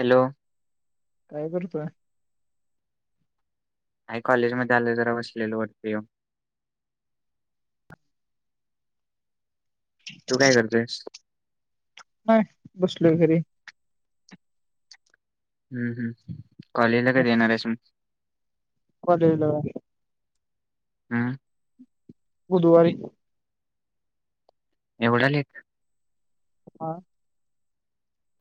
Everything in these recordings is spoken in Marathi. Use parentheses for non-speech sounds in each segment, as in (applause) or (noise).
हॅलो काय करतोय आणि कॉलेज मध्ये आलं जरा बसलेल होटते तू काय करतेयस नाही बसलो घरी हम्म हम्म कॉलेजला का येणार आहेस मग होलेल हम्म बुधवारी एवढाले एक हा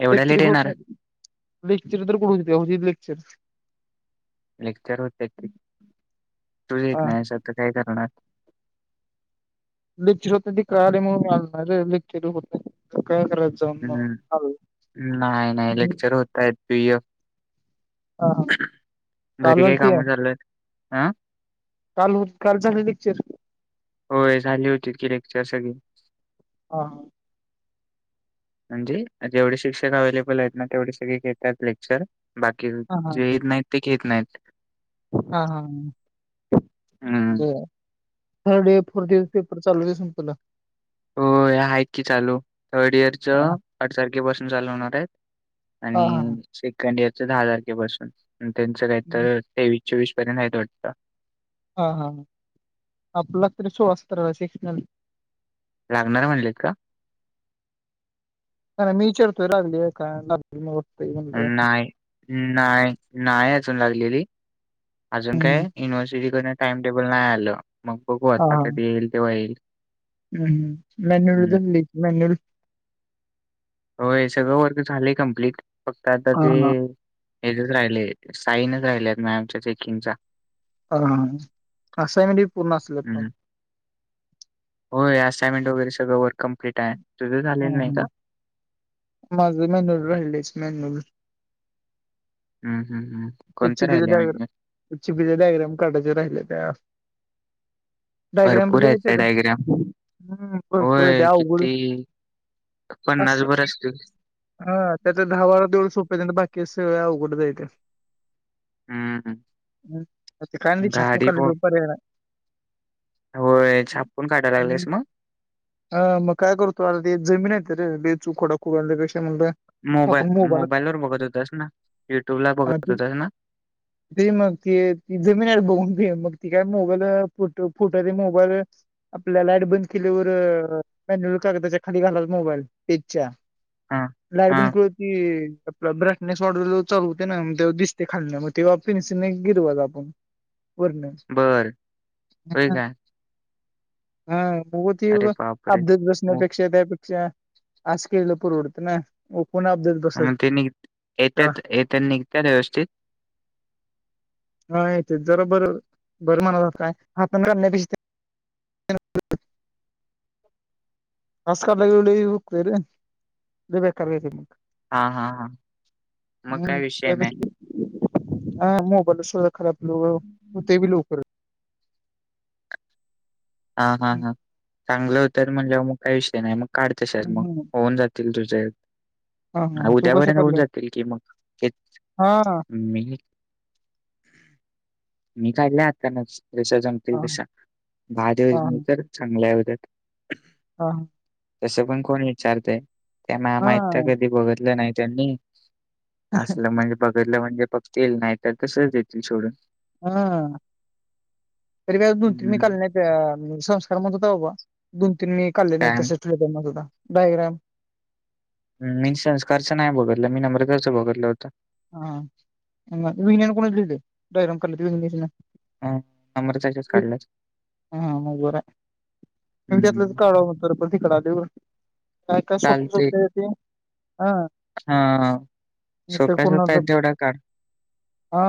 एवढ्या लेट येणार क्चरक्चर तर कोणक्चर लेक्चर होत तू येत हा नाही असं तर काय करणार लि्छर होते ती कारी म्हणून मालणार रे लि्चर होते हम्म नाही नाही हम्म. लेक्चर होतय हा हा काल घरी काही झालती काय कामं चाललय काल हो काल झाले नचर तिची स की हा म्हणजे जेवढे शिक्षक अव्हेलेबल आहेत ना तेवढे सगळे घेतात लेक्चर बाकी हा हा जे येत नाहीत ते खेत नाहीत. हा हा ब हम्म थर् डे फोर्र स पेपर चालूतेग तुला हो या हाक क चालू थर्ड इयर च हा आठ तारखेपासून चालू होणार आहेत. आणि हा हा सेकंड इयरच दहा तारखेपसून त्यांचं काही हम्म. तर तेवीस चोवीस पर्यंत आहे तोडतता हा हा ह आप आपला अत शोवात्र लागणार म्हणलेत का? नाही नाही मी विचारतोय लागली का लाग. नाही नाही नाही अजून लागलेली अजून काय हम्म. युनिव्हर्सिटीकून टाइम टेबल नाही आलं मग बघूता कधी येईल तेव्हा येईल. हम् हम मॅन्युल हम्म. तर मेन्युल होय सगळं वर्क झाले कंप्लीट फक्त आता ते हां. हेजच राहिले साईनच राहिले आहेत म आमच्या चेकिंगचा हा ह असइनमेंटी पूर्ण असले. हो असइनमेंट वगैरे सगळं वर ह ह माझ मॅन्युअल राडलेच मॅन्युअल हम. कची पग एचची पि डॅग्राम काटाचे राहिले त्या डायग्रॅम भरपूर आहेत बिय त्या तर र डायग्राम हम् भरपूर होय दवघड किती अस पन्नास भर असतील हा त्याचा दहा वारा देवळ सोपे त्यां बाकी केसे व कुठे जायथ हम्म ् कायली छप गाडी मुकाल प रूपर होय छापून काढायला लागलेस ह् मग अ मग काय करतो आ ते जमीन आहे. े च खोा खू बेस्. मोबा मोबाईल वर बघत होतास ना युट्यूब ला बघत. हां, होतास ना ते मग क त जमिन बघून मग त काय मोबाईल फट फुट ते मोबाईल आपल्या लाईट बंद केल्यावर म त्याच्या खाली घालात मोबाईल पच्या हा लायट हा बंद क होती आप ब्राईटनेस मॉडेल चालू हो. ना ते दिसते खाल मग तेव्हा पिनस गिरवाज आपण पर्ण बर होय काय हाग ती अरे बापरे अबधत मग बसण्यापेक्षा त्याे अ अस केला पूर उडत ना. कोण अपडेट मग बसायचं ते निघ त्याला येत्याच येत निघ. हा येत जरा बर बर मनत काय हातण घलण्यापेक्ष आस काला गेले हुकते रे ल बेकार घ्यायचे मग हा हा हा. मग हम् काय विषय त्या नाही हा मोबाईल स खराब लो हो ते बी लवकर. हा हा हम्म हा चांगलं होत म्हणजे मग काही विषय नाही मग काढत शर मग हम्म. होऊन जातील तुझ. हा हा तू कसं उद्यावर होऊन करलं जातील की मग तेच हा हा मी हम्. मी काढल्या आना जशा जंगते हा तशा हा बादव तर चांगल्यावरती बाई. हा ह. तसं पण कोण विचारतय त्या मामा इत कधी बघितलं नाही त्यांनी असल म्हणजे बघितलं म्हणजे फघ येल नाही तर कसच देतील सोडून. हम अरे दोन त मी हम्म काल नाही. संस्कार म्हण हो दोन तीन मी काढले नाही काय तसे ठण होता डायग्राम. मी संस्कारचं नाही बघितलं मी नम्रताचं बघितलं होतं. हा विहिनीने कोणीच दिले डारम. (inaudible) अ नम्रताच्याच काढल्यात हम मुर. म त्यातलंच हम्म काढवा म्हण तिकड आ देऊ. चालते हा हा मी स. तर कोणा वढा काढ हा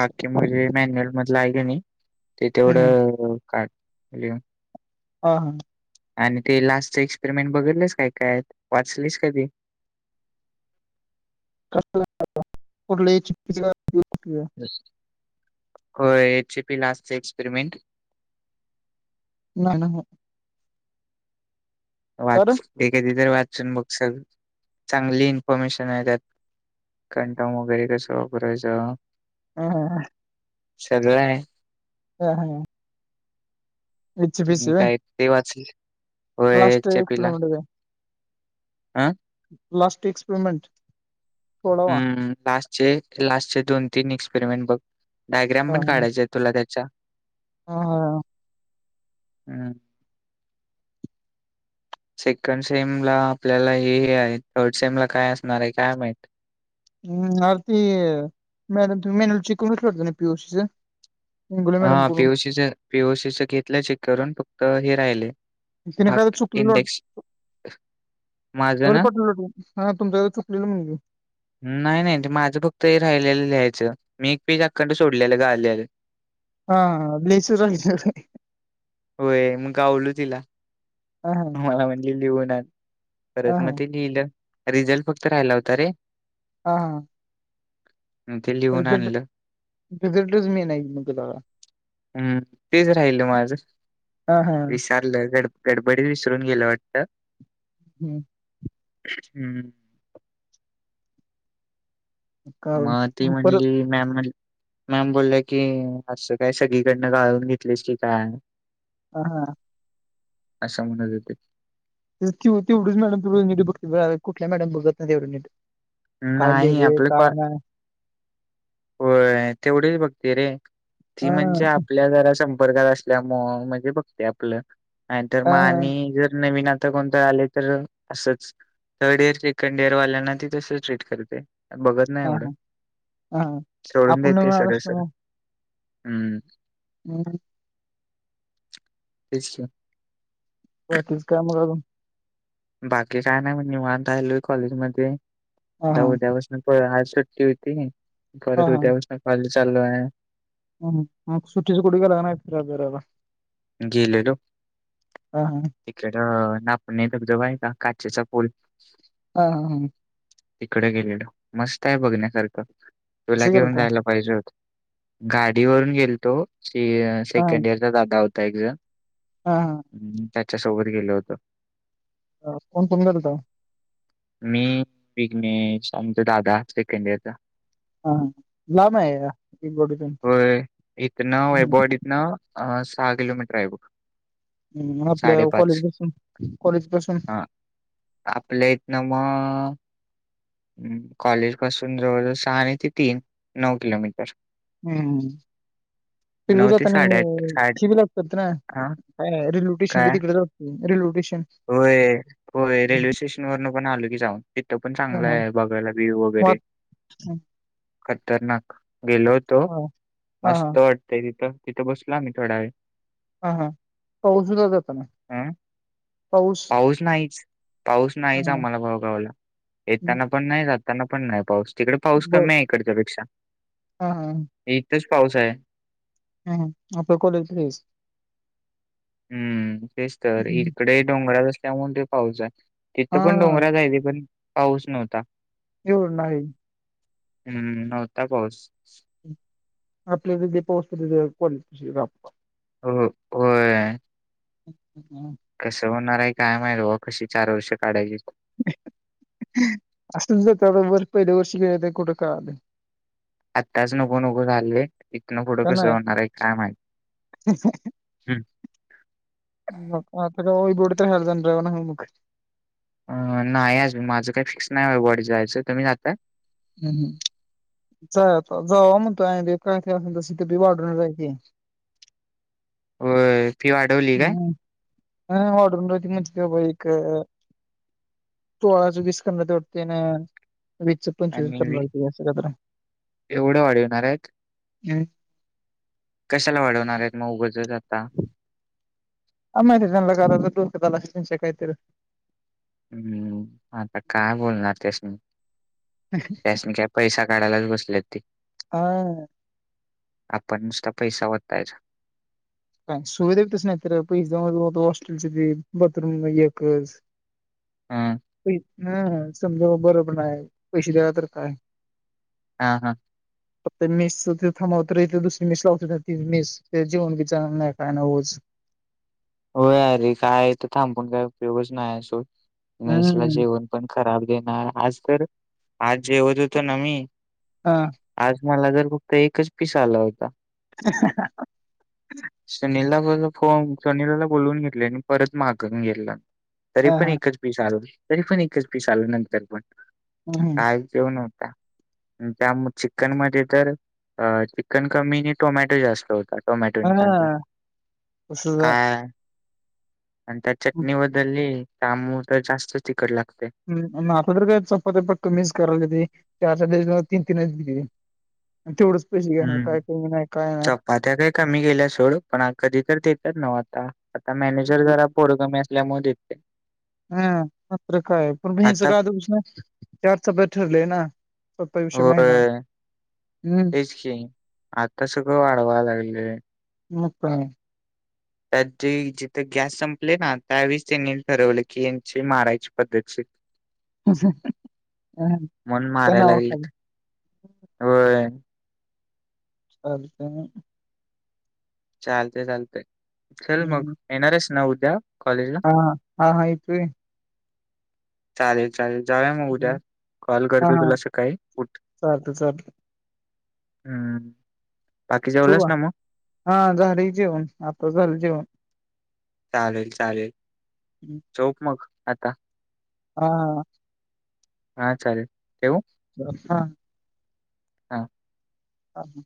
बाकी मु मॅन्यल. मध आहे का ते तेवढ हम्म, हम्म. का. ह हा. आणि ते लास्टच एक्सपेरिमेंट बघलेस काय काय वाचलीस कधी. (inaudible) (unintelligible) हो एचपी लाट एक्सपेरिमेंट. नाही ना. कारण वाच एखादी तर वाचून बघ सग चांगली इन्फॉर्मेशन आहे त्यात. कंटाम वगैरे कसं वापरायचं. हम. सगळं आहे. ह हा. हम् काय ते वाचले. ला्स्ट एक्सिडेंट आहे. हह. लास्ट एक्सपरमेंट थोडावा. चे लास्ट चे दोन तीन एक्सपेरिमेंट बघ डायग्राम पण काढायच आहे तुला त्याच्या. ह हा. हम्. (inaudible) सेकंड सेम ला आपल्याला हे आहे थर्ड सेम ला काय असणार आहे काय माह. त मन चिकन कर ना प्यूसशीं. हा पीओसीच पीओसीच घेतलं चेक करून फक्त हे राहिले. तिने बक इंडेक्स. माझं व ना पटटू हा तुमच्या चुकलेलं म्हणे. नाही नाही ते माझं फक्त हे राहिलं लिहायचं मी एक पेज अखंड सोडलेलं ग आलेलं. हा ब्सर. होय मग गावलू तिला हा हा मला म्हटली लिहून आन. हा परत मग हा ते लिहिलं रिझल्ट फक्त राहिला होता रे. हा हा. मग ते लिहून रिझट आणलं. रिझटच मेन आहे मग दला. हम्म तेच राहिल माझं. हा हा. तर गडबरी विसरून गेला वाटत. हम्म. हम्म. का मग ती परत म्हणली मॅम म्हली. मॅम बोलला की असं काय सगळीकडनं गाळून घेतलेस की काय. आ हा. असशा म्हणत येते. (inaudible) कीव तेवढच मॅडम तेव नीट बघते कुठल्या मॅडम बघत ना तेवढं नीट. काय नाही लिहलंय काय नाय. हो तेवढीच बघते रे ती हा म्हणजे आपल्या जरा सं वर्गात असल्या मूळ म्हणजे बघते आपलं नाहीतर हा मग हा आणि जर नवीन आता कोणत आले तर असंच थर्ड इयर सेकंड इयर वाल्यांना ती तस ट्रीट करते. बघत नाही हा एवढं हा हा सोडून आपण देते नवीन आलो सगळं सर. हम्म. हम्. (unintelligible) बाकीच काम करुन बाकी काय नाही म्हण निवंत राहिलोय, कॉलेज मध्ये हा (unintelligible) हा उद्यापासून सुट्टी होती, परत उद्यापासून कॉलेज चालूलू आहे. हम् म सुट्टीच कुट गेला नाय फिराय-बीरायला? गेलेलो. हा तिकड ना पण इथं बी जवळ आहे का काचेचा पूल? आ हा हा हाम,, तिकडे गेलेल मस्त आहे, बघण्यासारखं तुला कसं घेऊन गेलता जायला पाहिजे होत. गाडी वरून गेलतो. से हा सेकंड ईयरचा दादा होता एकजण. हा हा हम्, त्याच्या सोबत गेलं होतं. कोण कोण गेलता मी विघ्नेश. आमचा दादा सेकंड ईयरचा. हा लाम आहे. गोडीतून हो इतन हम्म वैभवडी इतन सहा किलोमीटर आहे बग. हम् आपल्या कॉलेज पासून कॉलेज पासून हा आपल्या इथ न मग. कॉलेज पासून जवळ जवळ सहा आणि ते तीन नऊ किलोमीटर. हम्म. नऊ पिजात ते आणि साडेआठ साडे शि बी लागत ना हा का रिलुटेशन बी काय? तिकडे जा असते. (unintelligible) होय. होय, रेल्वे स्टेशन वरन पण आलो की जाऊन तिथं पण चांगलं आहे. बघायला व्ह्यू वगैरे. हम्. खतरनाक, गेलोतो हा मस्त वाटतय तिथं तिथं बसलो आम्ही थोडा वेळ. हा हा (unintelligible) ना. अ पाऊस नाहीच, पाऊस नाहीच हा आम्हाला बळगावला येताना पण नाही जा ताना पण नाही पाऊस तिकडे पाऊस बर कमी आहे इकडच्यापेक्षा. हा हम. पाऊस आहे. हम् आपण कॉलीज (unintelligible) हम्म तेच तर, इकडे डोंगराात असल्यामुळे ते पाऊच आहे. तिथं हा पण डोंगराचय ते पण पाऊस नव्हता. जोर नाही. हम्म नव्हता पाऊस आपल्या तिथे पोहचे पर्यंत कॉलेज पिशीज अप्पा हो होय अच् हम् काय करणार काय माहीत बाबा कशी चार वर्ष काढायची. (unintelligible) असं ज त्याबर पहिल्या वर्षी का कुठं काळालं आत्ताच नको नको झाले इथनं पुढं का कस नाही होणार आहे का माहीत आहे (unintelligible) मग आता का हो (unintelligible) हो मग अ नाही आज माझं काही फिक्स नाही वाडी जायचं तुम्ही जातय हम्म हम् जायतो जा म्हणतोय कायथ असल (unintelligible) बी वाढून जायचे होय फी वाढवली काय? हम (unintelligible) ते बा एक तो आज (unintelligible) वाटते ना पंचवीस आणि करणार सत एवढं वाढवणार आहेत हम् कशाला वाढवणार आहेत मग उगजच आता आम मात (unintelligible) डोक्यात आला असेल काय तर हम्म आता काय बोलणार त्यासनी त्यासनी काय पैसा काढायलाच बसले ते? हा आपण नुसता पैसा वतायच काय सुविधा तच नाही तर पैसेत हॉस्टेलच्या ते बाथरूम एक हम्म त ह समजा म बर पण पैसे द्याला तर काय हा हा ते मिस थांबवत दुसरी मिस लावत मेस ते जेवण नल नाही काय न होऊच हो अरे काय तर थांबून काय उपयोगच नाही असो मेसला हम्म जेवण पण खराब देणार आज तर आज जेवत तर न मी हा आज मला जर फक्त एकच पिसा आला होता (unintelligible) सुनीलला फोन सनीलाला बोलवून घेतले आणि परत मागून गेला तरी हा पण हा एकच पीस आल तरी पण एकच पीस आल नंतर पण हम्म. काय केऊ नवत का त्या चिक्नमध्ये तर अ चिकन कमी आणि टोमॅटो जास्त होतात टोमॅटो नि कांदा हा तसच आहे काय आणि त्या चटणी बदलली त आंमू तर जास्तच तिखट लागतय हम् आता तर काय चपात्या कमीच करायला त (unintelligible) तीन तीन दि दि बुझी ग ना हम्म काय मी नाही नाही चपात्या काही कमी गेल्या सोड पण कधी तर देतच नव्ह आता आता मॅनेजर जरा पोर कमी अस असल्यामुळे देतोय हम मात्र काय पण आता (unintelligible) ठरले ना (unintelligible) युष महिना होय हम्म तेच की आता सगळं वाढवा लागलेय मग काय त्या ज जिथे गॅस संपले ना त्यावेळीस त्यांनी ठरवले की यांची मारायची पद्धतीची (unintelligible) ह म्हणून त्यां मारायला लागली खाली होय चालतय चालते चालते खल मग हम्म येणारच न उद हा हा हायेतय चालेल चालेल जावे मग उद्या हम्म. कॉल हा करते हा तुला सकाळी उठ चालतंय चालतंय हम्म बाकी शुभ जेवलास ना मग हा झाडे जेवण आपलं झालं जेवण चालेल चालेल हम्म. सोप मग आता हा हा चालेल केवू हा हा ह ह